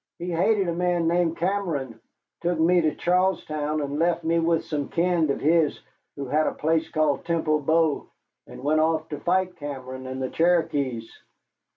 He hated a man named Cameron, took me to Charlestown, and left me with some kin of his who had a place called Temple Bow, and went off to fight Cameron and the Cherokees."